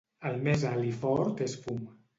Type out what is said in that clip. El més alt i fort és fum.